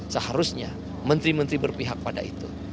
seharusnya menteri menteri berpihak pada itu